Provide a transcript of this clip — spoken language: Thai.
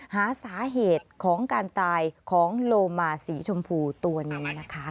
หาสาเหตุของการตายของโลมาสีชมพูตัวนี้นะคะ